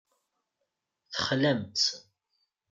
Texlamt.